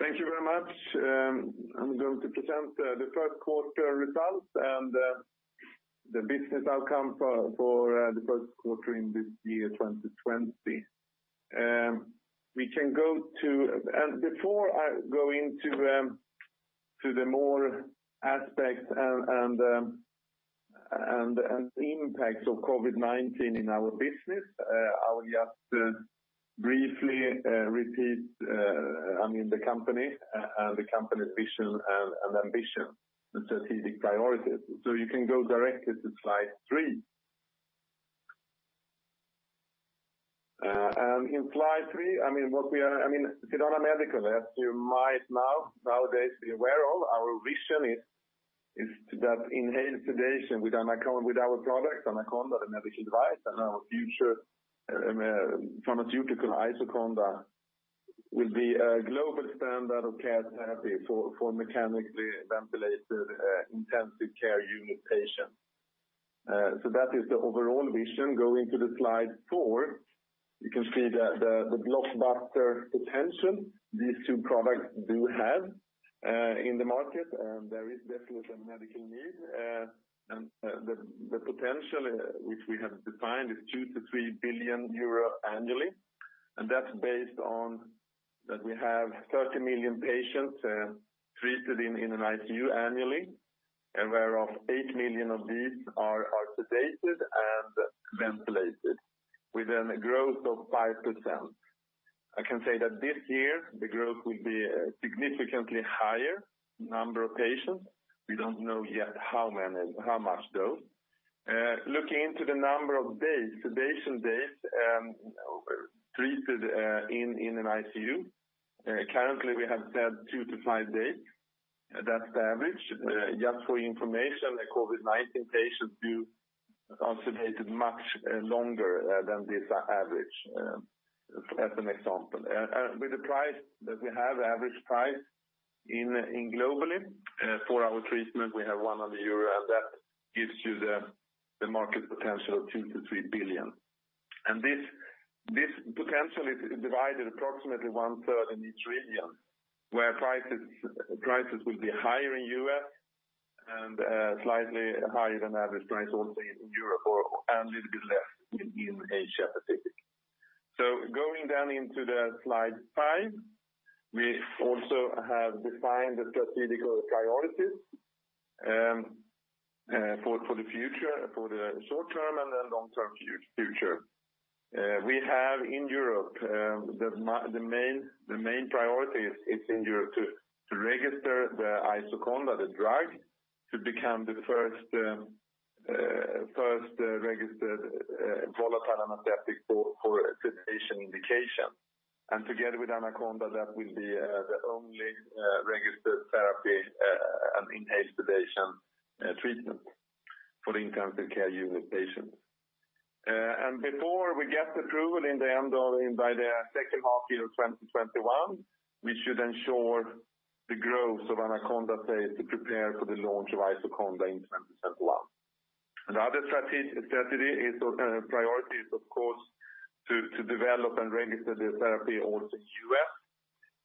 Thank you very much. I'm going to present the first quarter results and the business outcomes for the first quarter in this year, 2020. We can go to—and before I go into the more aspects and impacts of COVID-19 in our business, I will just briefly repeat, I mean, the company and the company's vision and ambition and strategic priorities, so you can go directly to slide three, and in slide three, I mean, what we are—I mean, Sedana Medical, as you might know, nowadays, be aware of, our vision is that inhaled sedation with our products, AnaConDa, the medical device, and our future pharmaceutical IsoConDa will be a global standard of care therapy for mechanically ventilated intensive care unit patients. So that is the overall vision. Going to the slide four, you can see the blockbuster potential these two products do have in the market, and there is definitely a medical need. The potential, which we have defined, is 2-3 billion euro annually. That's based on that we have 30 million patients treated in an ICU annually, whereof 8 million of these are sedated and ventilated with a growth of 5%. I can say that this year, the growth will be significantly higher, number of patients. We don't know yet how much though. Looking into the number of days, sedation days treated in an ICU, currently, we have said 2-5 days. That's the average. Just for your information, COVID-19 patients are sedated much longer than this average, as an example. And with the price that we have, average price globally for our treatment, we have 100 euro, and that gives you the market potential of 2 billion-3 billion. And this potential is divided approximately one-third in each region, where prices will be higher in the U.S. and slightly higher than average price also in Europe or a little bit less in Asia Pacific. So going then into the slide five, we also have defined the strategic priorities for the future, for the short term and then long-term future. We have in Europe the main priority is in Europe to register the IsoConDa, the drug, to become the first registered volatile anesthetic for sedation indication. And together with AnaConDa, that will be the only registered therapy and inhaled sedation treatment for the intensive care unit patients. And before we get approval in Europe by the second half of 2021, we should ensure the growth of AnaConDa to prepare for the launch of IsoConDa in 2021. And the other strategic priorities, of course, to develop and register the therapy also in the U.S.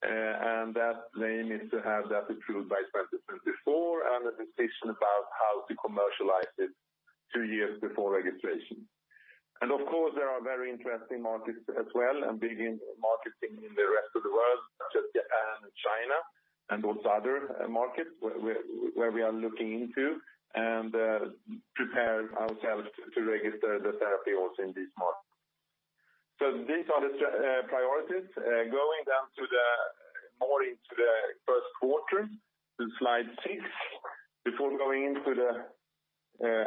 And that aim is to have that approved by 2024 and a decision about how to commercialize it two years before registration. And of course, there are very interesting markets as well and big markets in the rest of the world, such as Japan and China and also other markets where we are looking into and prepare ourselves to register the therapy also in these markets. So these are the priorities. Going then more into the first quarter, to slide six, before going into the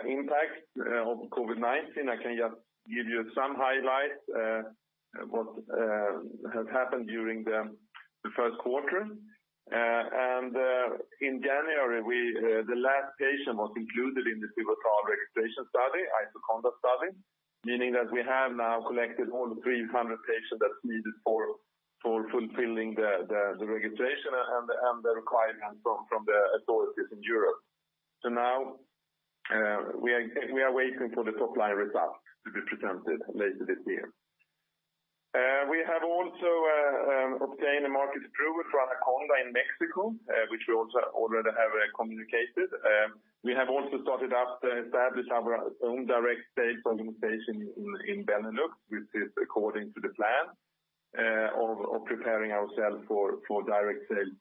impact of COVID-19, I can just give you some highlights of what has happened during the first quarter. In January, the last patient was included in the pivotal registration study, IsoConDa study, meaning that we have now collected all the 300 patients that's needed for fulfilling the registration and the requirements from the authorities in Europe. Now we are waiting for the top-line results to be presented later this year. We have also obtained a market approval for AnaConDa in Mexico, which we also already have communicated. We have also started up to establish our own direct sales organization in Benelux, which is according to the plan of preparing ourselves for direct sales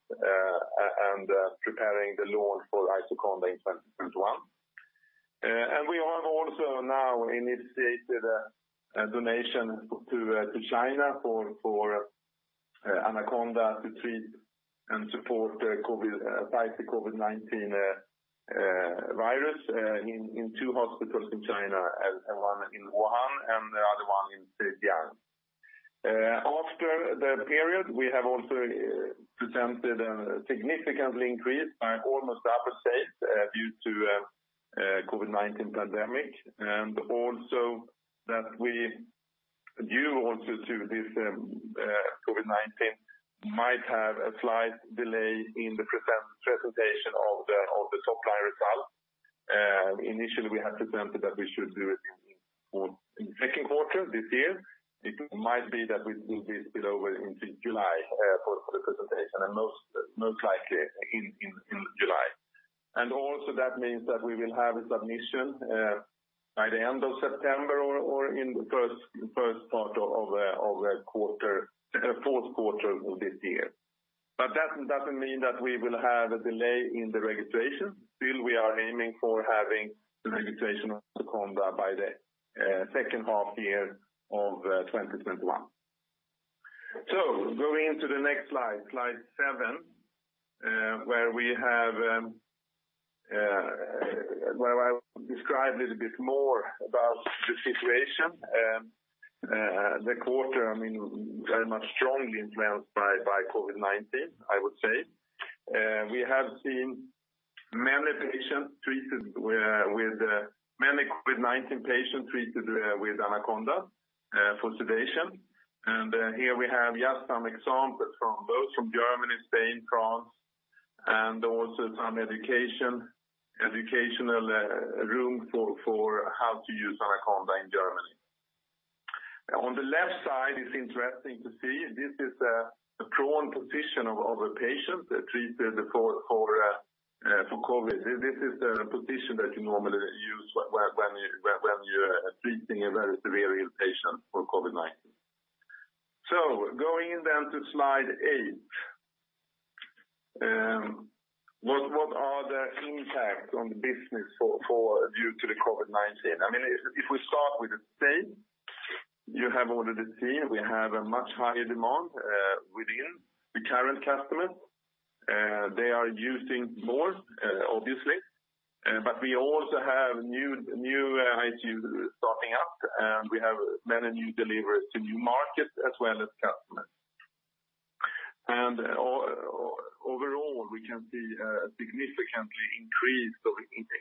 and preparing the launch for IsoConDa in 2021. And we have also now initiated a donation to China for AnaConDa to treat and support the COVID-19 virus in two hospitals in China and one in Wuhan and the other one in Zhejiang. After the period, we have also presented a significant increase by almost doubling sales due to the COVID-19 pandemic. And also, due to this COVID-19, we might have a slight delay in the presentation of the top-line results. Initially, we had presented that we should do it in the second quarter this year. It might be that we will spill over into July for the presentation, and most likely in July. And also that means that we will have a submission by the end of September or in the first part of the fourth quarter of this year. But that doesn't mean that we will have a delay in the registration. Still, we are aiming for having the registration of IsoConDa by the second half year of 2021. So going into the next slide, slide seven, where we have described a little bit more about the situation. The quarter, I mean, very much strongly influenced by COVID-19, I would say. We have seen many patients treated with many COVID-19 patients treated with AnaConDa for sedation. And here we have just some examples from both from Germany, Spain, France, and also some educational video for how to use AnaConDa in Germany. On the left side, it's interesting to see this is a prone position of a patient treated for COVID. This is a position that you normally use when you're treating a very severe ill patient for COVID-19. So going then to slide eight, what are the impacts on the business due to the COVID-19? I mean, if we start with the stats, you have already seen we have a much higher demand within the current customers. They are using more, obviously. But we also have new ICUs starting up, and we have many new deliveries to new markets as well as customers. And overall, we can see a significantly increased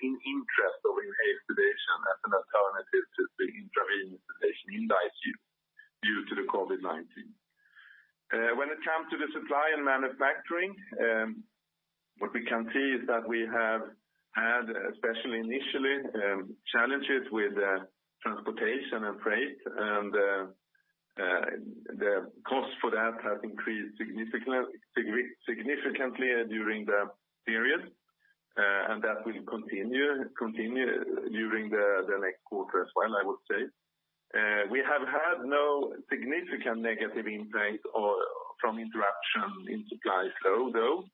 interest of inhaled sedation as an alternative to the intravenous sedation in the ICU due to the COVID-19. When it comes to the supply and manufacturing, what we can see is that we have had, especially initially, challenges with transportation and freight, and the cost for that has increased significantly during the period. And that will continue during the next quarter as well, I would say. We have had no significant negative impact from interruption in supply flow, though.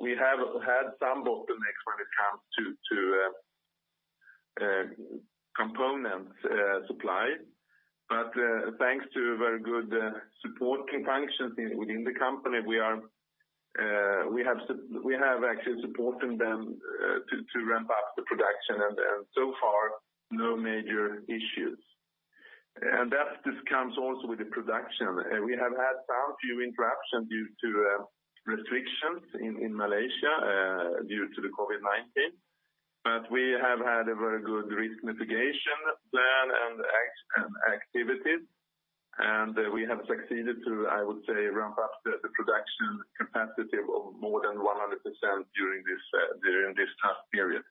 We have had some bottlenecks when it comes to component supply. But thanks to very good support functions within the company, we have actually supported them to ramp up the production, and so far, no major issues. And that comes also with the production. We have had some few interruptions due to restrictions in Malaysia due to the COVID-19. But we have had a very good risk mitigation plan and activities, and we have succeeded to, I would say, ramp up the production capacity of more than 100% during this period.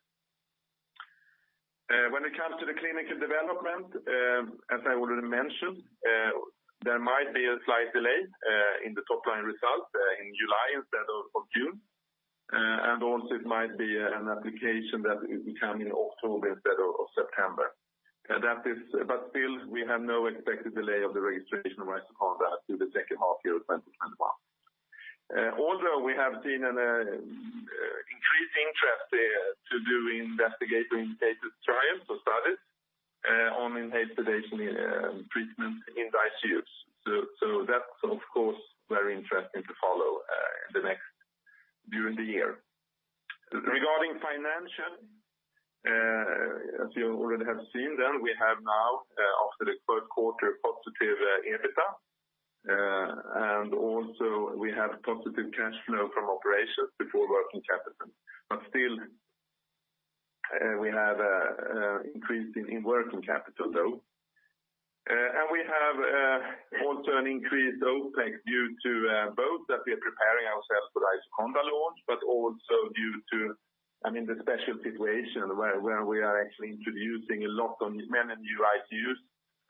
When it comes to the clinical development, as I already mentioned, there might be a slight delay in the top-line result in July instead of June. And also, it might be an application that will come in October instead of September. But still, we have no expected delay of the registration of IsoConDa through the second half year of 2021. Although we have seen an increased interest to do investigator-initiated trials or studies on inhaled sedation treatment in the ICUs. So that's, of course, very interesting to follow during the year. Regarding financial, as you already have seen, then we have now, after the first quarter, positive EBITDA. And also, we have positive cash flow from operations before working capital. But still, we have an increase in working capital, though. And we have also an increased OPEX due to both that we are preparing ourselves for the IsoConDa launch, but also due to, I mean, the special situation where we are actually introducing a lot of many new ICUs.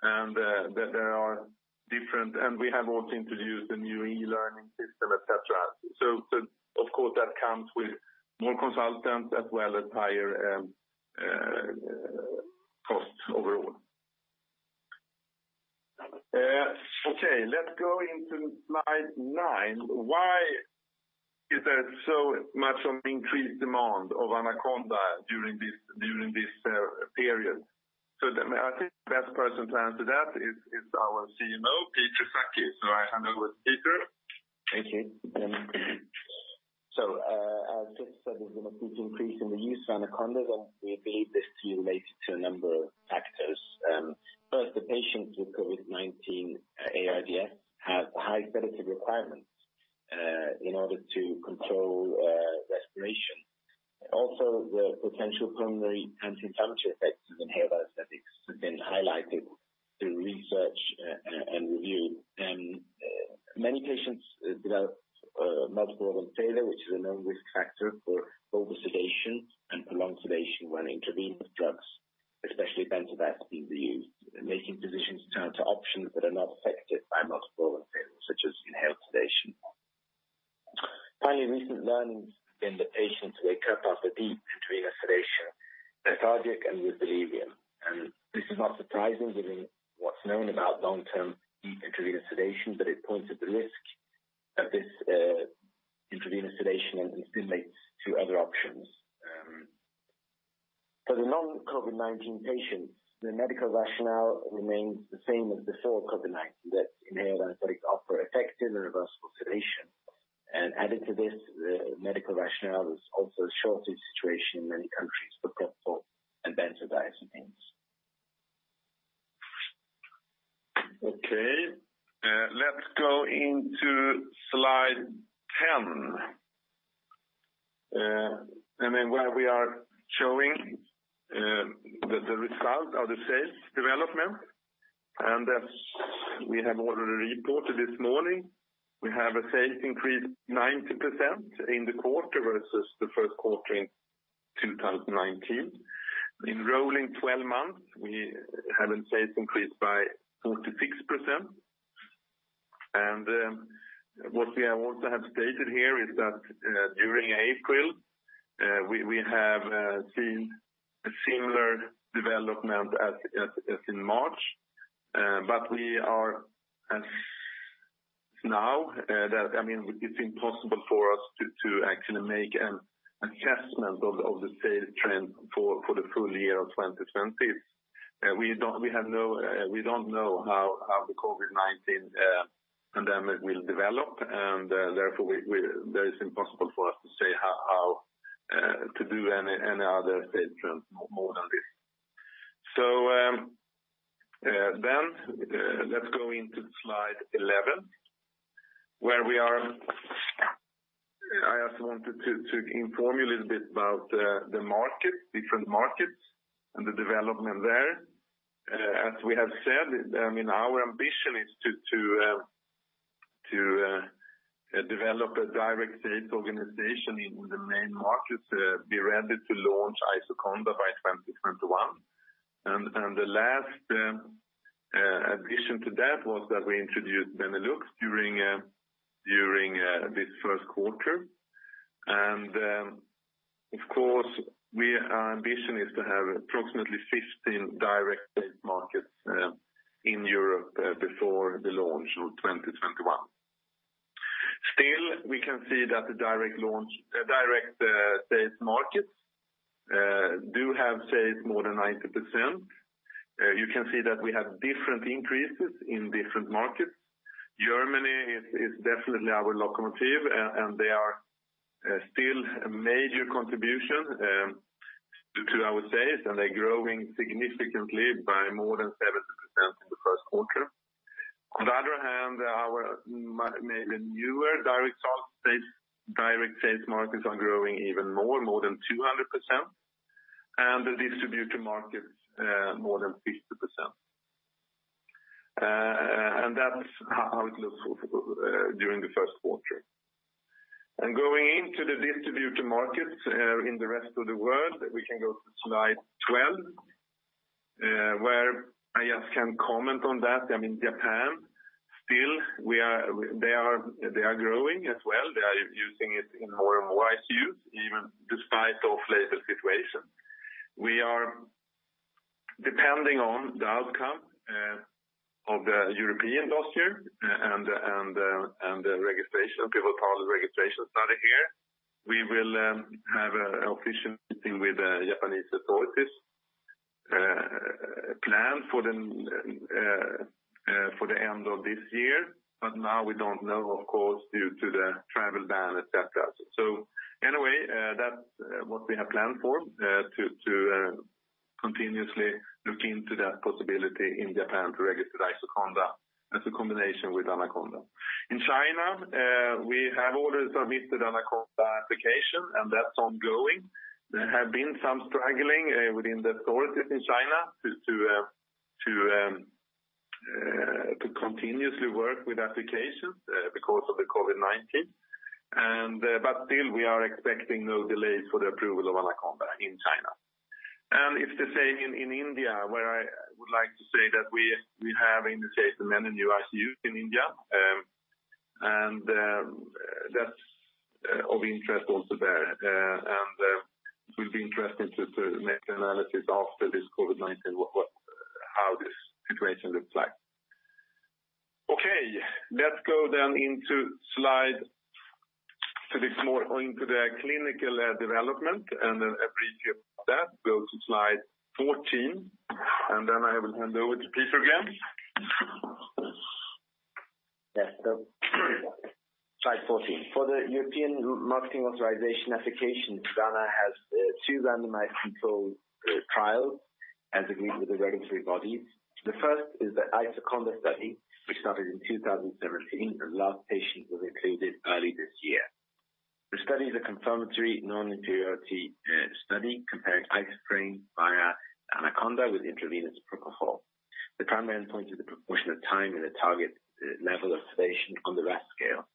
And there are different, and we have also introduced a new e-learning system, etc. So, of course, that comes with more consultants as well as higher costs overall. Okay, let's go into slide nine. Why is there so much of an increased demand of AnaConDa during this period? So I think the best person to answer that is our CMO, Peter Sackey. So I hand over to Peter. Thank you. So as Christer said, there's been a big increase in the use of AnaConDa, and we believe this to be related to a number of factors. First, the patients with COVID-19 ARDS have high sedative requirements in order to control respiration. Also, the potential pulmonary anti-inflammatory effects of inhaled anesthetics have been highlighted through research and review. Many patients develop multiple organ failure, which is a known risk factor for over-sedation and prolonged sedation when intravenous drugs, especially benzodiazepines, are used, making physicians turn to options that are not affected by multiple organ failure, such as inhaled sedation. Finally, recent learnings have been that patients wake up after deep intravenous sedation, lethargic, and with delirium. And this is not surprising given what's known about long-term deep intravenous sedation, but it points at the risk of this intravenous sedation and stimulates to other options. For the non-COVID-19 patients, the medical rationale remains the same as before COVID-19, that inhaled anesthetics offer effective and reversible sedation. Added to this, the medical rationale is also a shortage situation in many countries for propofol and benzodiazepines. Okay. Let's go into slide 10, and then where we are showing the result of the sales development, and as we have already reported this morning, we have a sales increase of 90% in the quarter versus the first quarter in 2019. In rolling 12 months, we have a sales increase by 46%, and what we also have stated here is that during April, we have seen a similar development as in March, but we are now, I mean, it's impossible for us to actually make an assessment of the sales trend for the full year of 2020. We don't know how the COVID-19 pandemic will develop, and therefore it is impossible for us to say how to do any other sales trend more than this, so then let's go into slide 11, where we are. I just wanted to inform you a little bit about the market, different markets, and the development there. As we have said, I mean, our ambition is to develop a direct sales organization in the main markets, be ready to launch IsoConDa by 2021, and the last addition to that was that we introduced Benelux during this first quarter, and of course, our ambition is to have approximately 15 direct sales markets in Europe before the launch of 2021. Still, we can see that the direct sales markets do have sales more than 90%. You can see that we have different increases in different markets. Germany is definitely our locomotive, and they are still a major contribution to our sales, and they're growing significantly by more than 70% in the first quarter. On the other hand, our maybe newer direct sales markets are growing even more, more than 200%, and the distributor markets more than 50%. That's how it looks during the first quarter. Going into the distributor markets in the rest of the world, we can go to slide 12, where I just can comment on that. I mean, Japan, still, they are growing as well. They are using it in more and more ICUs, even despite the off-label situation. We are depending on the outcome of the European MAA last year and the registration, Pivotal registration study here. We will have an official meeting with the Japanese authorities planned for the end of this year. But now we don't know, of course, due to the travel ban, etc. So anyway, that's what we have planned for, to continuously look into that possibility in Japan to register IsoConDa as a combination with AnaConDa. In China, we have already submitted an AnaConDa application, and that's ongoing. There have been some struggling within the authorities in China to continuously work with applications because of the COVID-19. But still, we are expecting no delays for the approval of AnaConDa in China. And it's the same in India, where I would like to say that we have initiated many new ICUs in India. And that's of interest also there. And it will be interesting to make an analysis after this COVID-19, how this situation looks like. Okay, let's go then into slide into the clinical development and then a brief view of that. Go to slide 14. And then I will hand over to Peter Sackey. Yes. Slide 14. For the European marketing authorization application, Sedana has two randomized controlled trials as agreed with the regulatory bodies. The first is the IsoConDa study, which started in 2017. The last patient was included early this year. The study is a confirmatory non-inferiority study comparing isoflurane via AnaConDa with intravenous propofol. The primary endpoint is the proportion of time in the target level of sedation on the RASS scale.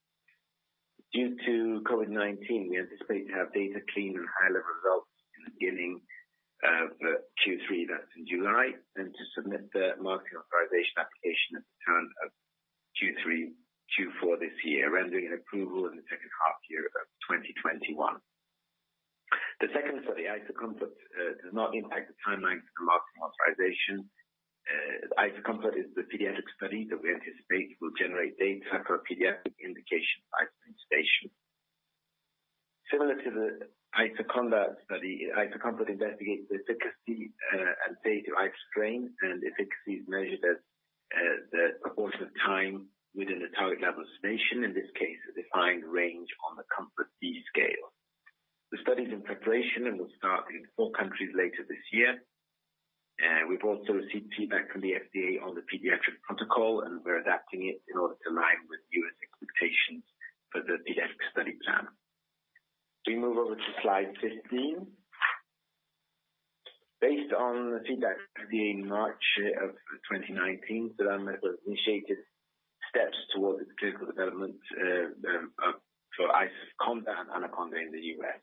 Due to COVID-19, we anticipate to have data clean and high-level results in the beginning of Q3, that's in July, and to submit the marketing authorization application at the turn of Q3, Q4 this year, rendering an approval in the second half of 2021. The second study, IsoCOMFORT, does not impact the timeline for the marketing authorization. IsoCOMFORT is the pediatric study that we anticipate will generate data for pediatric indication of isoflurane sedation. Similar to the IsoConDa study, IsoCOMFORT investigates the efficacy and safety of isoflurane, and efficacy is measured as the proportion of time within the target level of sedation, in this case, a defined range on the COMFORT-B scale. The study is in preparation and will start in four countries later this year. We've also received feedback from the FDA on the pediatric protocol, and we're adapting it in order to align with U.S. expectations for the pediatric study plan. We move over to slide 15. Based on the feedback from the FDA in March of 2019, Sedana Medical has initiated steps towards its clinical development for IsoConDa and AnaConDa in the U.S.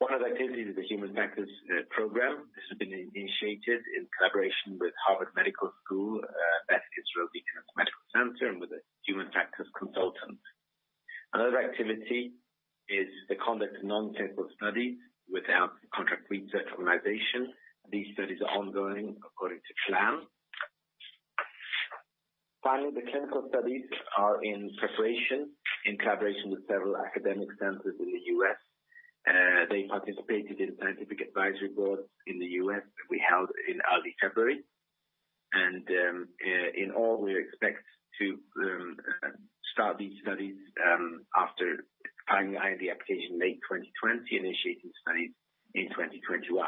One of the activities is the human factors program. This has been initiated in collaboration with Harvard Medical School, Beth Israel Deaconess Medical Center, and with a human factors consultant. Another activity is the conduct of non-clinical studies without contract research organization. These studies are ongoing according to plan. Finally, the clinical studies are in preparation in collaboration with several academic centers in the U.S. They participated in scientific advisory boards in the U.S. that we held in early February. And in all, we expect to start these studies after finalizing the application in late 2020, initiating studies in 2021.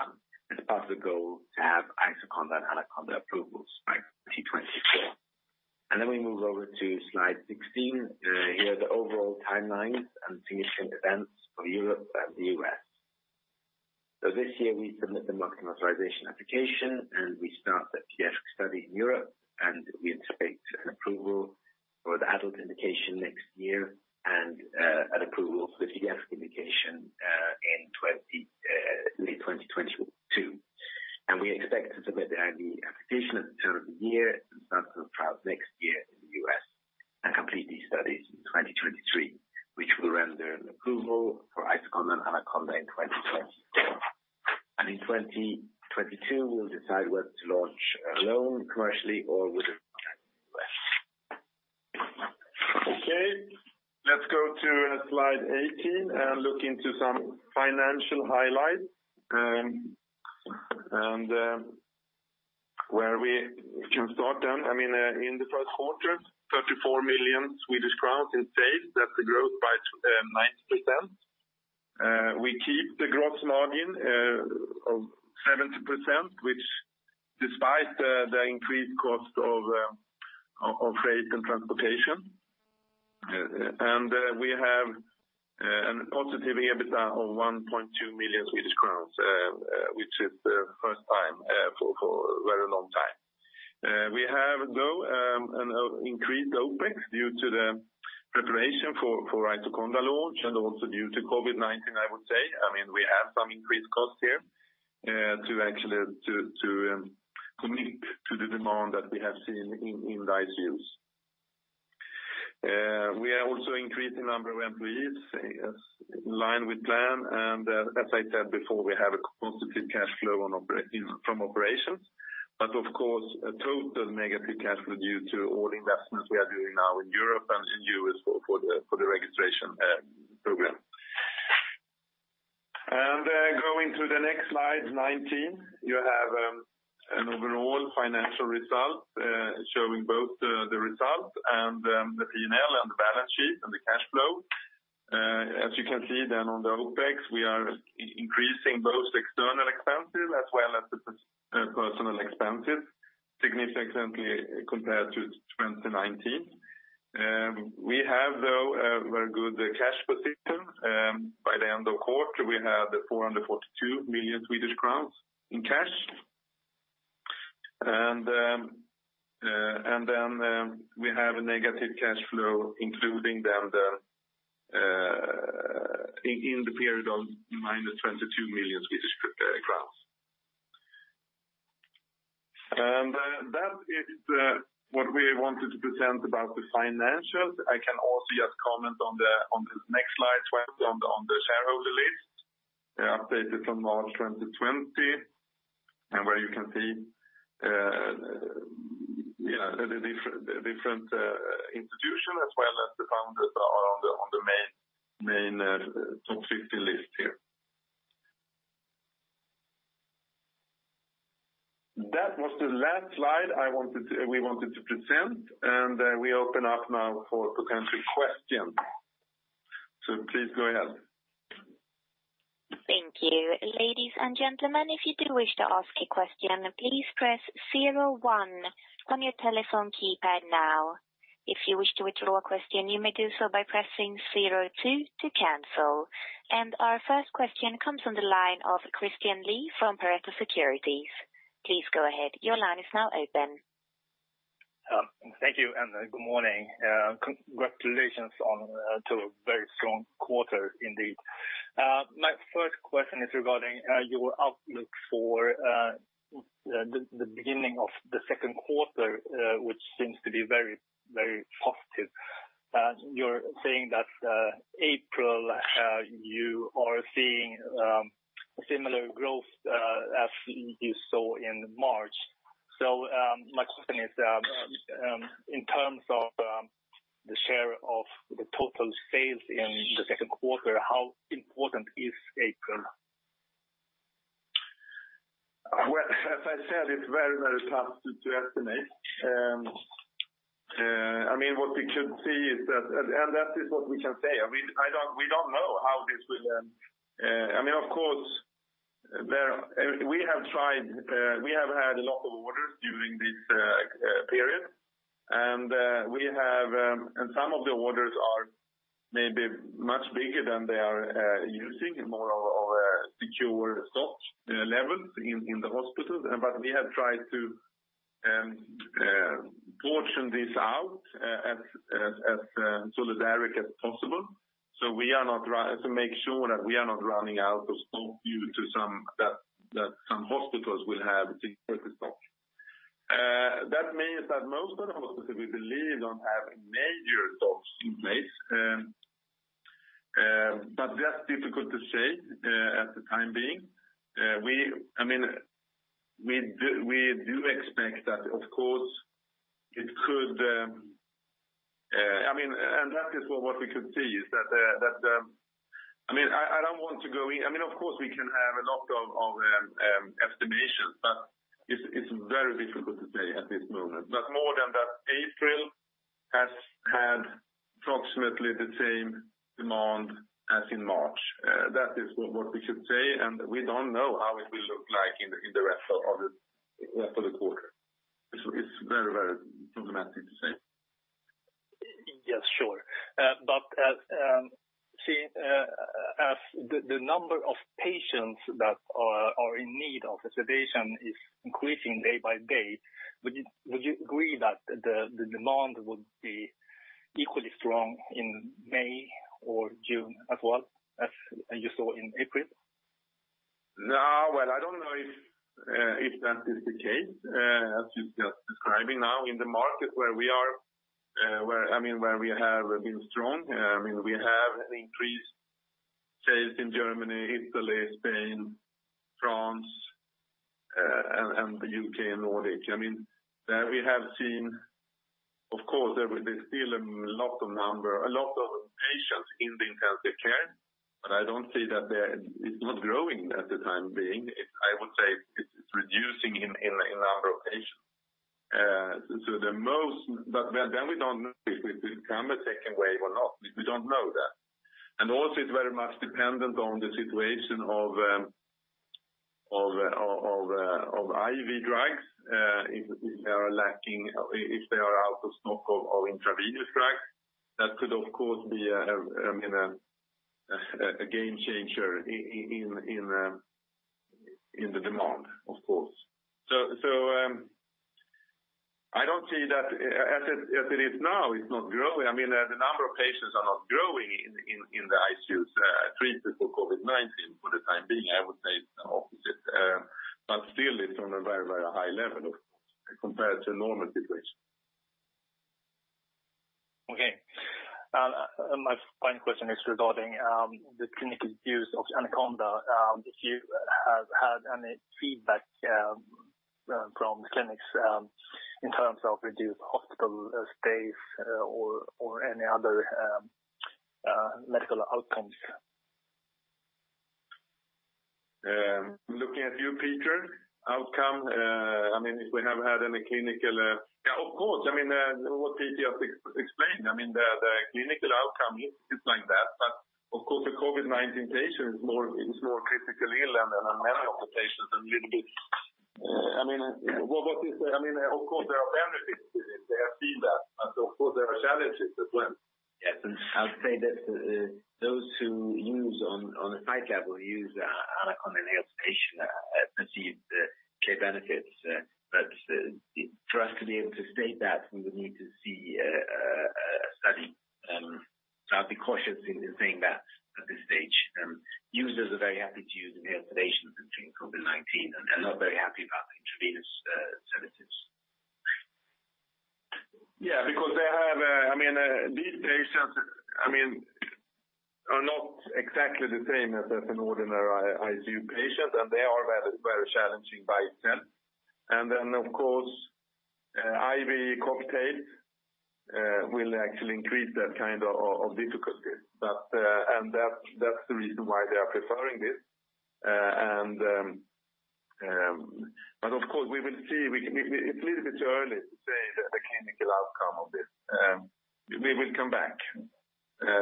It's part of the goal to have IsoConDa and AnaConDa approvals by 2024. And then we move over to slide 16. Here are the overall timelines and significant events for Europe and the U.S. So this year, we submit the marketing authorization application, and we start the pediatric study in Europe, and we anticipate an approval for the adult indication next year and an approval for the pediatric indication in late 2022. We expect to submit the IND application at the turn of the year and start the trials next year in the U.S. and complete these studies in 2023, which will render an approval for IsoConDa and AnaConDa in 2024. And in 2022, we'll decide whether to launch alone commercially or with a partner in the U.S. Okay. Let's go to slide 18 and look into some financial highlights and where we can start then. I mean, in the first quarter, 34 million Swedish crowns in sales. That's a growth by 90%. We keep the gross margin of 70%, which despite the increased cost of freight and transportation. We have a positive EBITDA of 1.2 million Swedish crowns, which is the first time for a very long time. We have, though, an increased OPEX due to the preparation for IsoConDa launch and also due to COVID-19, I would say. I mean, we have some increased costs here to actually commit to the demand that we have seen in the ICUs. We are also increasing the number of employees in line with plan. As I said before, we have a positive cash flow from operations. But of course, a total negative cash flow due to all the investments we are doing now in Europe and in the U.S. for the registration program. Going to the next slide 19, you have an overall financial result showing both the result and the P&L and the balance sheet and the cash flow. As you can see then on the OPEX, we are increasing both external expenses as well as the personnel expenses significantly compared to 2019. We have, though, a very good cash position. By the end of quarter, we had 442 million Swedish crowns in cash. Then we have a negative cash flow including then in the period of -22 million Swedish crowns. That is what we wanted to present about the financials. I can also just comment on the next slide, on the shareholder list updated from March 2020, and where you can see the different institutions as well as the founders are on the main top 50 list here. That was the last slide we wanted to present, and we open up now for potential questions, so please go ahead. Thank you. Ladies and gentlemen, if you do wish to ask a question, please press 01 on your telephone keypad now. If you wish to withdraw a question, you may do so by pressing 02 to cancel. And our first question comes on the line of Christian Lee from Pareto Securities. Please go ahead. Your line is now open. Thank you. And good morning. Congratulations on a very strong quarter, indeed. My first question is regarding your outlook for the beginning of the second quarter, which seems to be very, very positive. You're saying that April, you are seeing similar growth as you saw in March. So my question is, in terms of the share of the total sales in the second quarter, how important is April? As I said, it's very, very tough to estimate. I mean, what we could see is that, and that is what we can say. I mean, we don't know how this will end. I mean, of course, we have tried. We have had a lot of orders during this period. We have, and some of the orders are maybe much bigger than they are using, more of a secure stock level in the hospitals. We have tried to portion this out as solidaric as possible. We are not to make sure that we are not running out of stock due to some hospitals will have security stock. That means that most of the hospitals, we believe, don't have major stocks in place. That's difficult to say at the time being. I mean, we do expect that, of course, it could, I mean, and that is what we could see is that, I mean, I don't want to go in. I mean, of course, we can have a lot of estimations, but it's very difficult to say at this moment. But more than that, April has had approximately the same demand as in March. That is what we could say. And we don't know how it will look like in the rest of the quarter. It's very, very problematic to say. Yes, sure. But see, as the number of patients that are in need of sedation is increasing day by day, would you agree that the demand would be equally strong in May or June as well as you saw in April? I don't know if that is the case, as you're just describing now. In the market where we are, I mean, where we have been strong, I mean, we have increased sales in Germany, Italy, Spain, France, and the UK and Nordic. I mean, we have seen, of course, there's still a large number of patients in the intensive care. But I don't see that it's not growing for the time being. I would say it's reducing in number of patients. So the most, but then we don't know if it can be taken away or not. We don't know that. And also, it's very much dependent on the situation of IV drugs, if they are lacking, if they are out of stock of intravenous drugs. That could, of course, be, I mean, a game changer in the demand, of course. So I don't see that as it is now, it's not growing. I mean, the number of patients are not growing in the ICUs treated for COVID-19 for the time being. I would say it's the opposite. But still, it's on a very, very high level, of course, compared to normal situation. Okay. My final question is regarding the clinical use of AnaConDa. If you have had any feedback from clinics in terms of reduced hospital stays or any other medical outcomes? Looking to you, Peter, outcome, I mean, if we have had any clinical. Yeah, of course, I mean, what Peter just explained, I mean, the clinical outcome is like that, but of course, the COVID-19 patient is more critically ill than many of the patients and a little bit, I mean, of course, there are benefits to this. They have seen that, but of course, there are challenges as well. Yes. I would say that those who use on a site level use AnaConDa inhaled sedation perceive clear benefits. But for us to be able to state that, we would need to see a study. I'll be cautious in saying that at this stage. Users are very happy to use inhaled sedation in treating COVID-19 and not very happy about intravenous sedatives. Yeah, because they have, I mean, these patients, I mean, are not exactly the same as an ordinary ICU patient, and they are very challenging by itself. And then, of course, IV cocktails will actually increase that kind of difficulty. And that's the reason why they are preferring this. But of course, we will see. It's a little bit early to say the clinical outcome of this. We will come back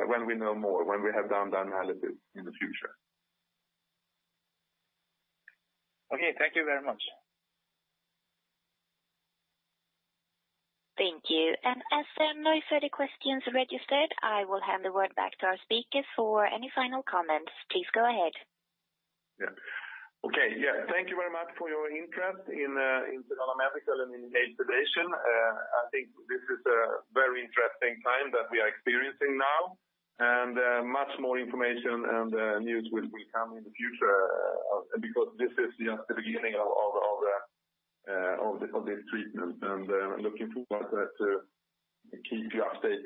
when we know more, when we have done the analysis in the future. Okay. Thank you very much. Thank you. And as there are no further questions registered, I will hand the word back to our speakers for any final comments. Please go ahead. Thank you very much for your interest in Sedana Medical and in inhaled sedation. I think this is a very interesting time that we are experiencing now. Much more information and news will come in the future because this is just the beginning of this treatment. Looking forward to keep you updated.